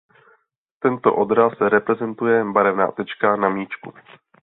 Tento odraz reprezentuje barevná tečka na míčku.